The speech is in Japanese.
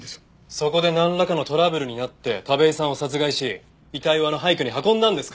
そこでなんらかのトラブルになって田部井さんを殺害し遺体をあの廃虚に運んだんですか？